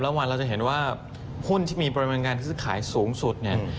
แล้ววันเราจะเห็นว่าหุ้นที่มีปริมาณงานที่ซื้อขายสูงสุดเนี่ย